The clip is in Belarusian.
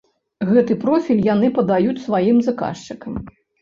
Гэты профіль яны падаюць сваім заказчыкам.